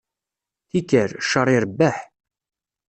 Tikkal, cceṛ irebbeḥ.